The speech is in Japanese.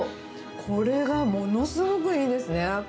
これがものすごくいいですね。